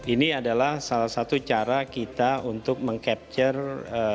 ini adalah salah satu cara kita untuk meng capture